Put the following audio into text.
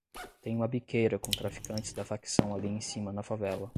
Tem uma biqueira com traficantes da facção ali em cima na favela